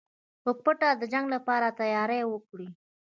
په پټه د جنګ لپاره تیاری وکړئ.